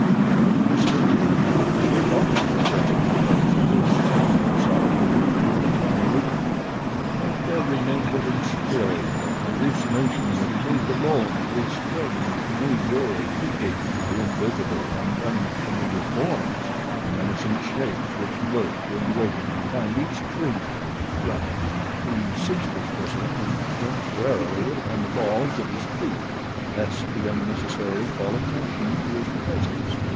He tried whistling in an effort to shake off the depressing effects of this seeming solitude through which he moved; but there remained with him still the hallucination that he moved alone through a strange, new world peopled by invisible and unfamiliar forms menacing shapes which lurked in waiting behind each tree and shrub. He ceased his whistling and went warily upon the balls of his feet, lest he unnecessarily call attention to his presence.